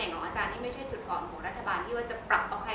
ที่นึกว่าจะปรับของใครเข้ามาก็ได้จะปรับใครออกก็ได้